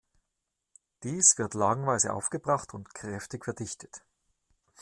Dies wird lagenweise aufgebracht und kräftig verdichtet.